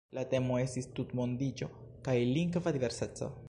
La temo estis "Tutmondiĝo kaj lingva diverseco.